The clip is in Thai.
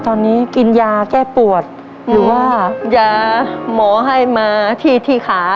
ตอนนี้กินยาแก้ปวดหรือว่ายาหมอให้มาที่ที่ขา